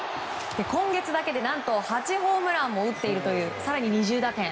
今月だけで何と８ホームランも打っているという更に２０打点。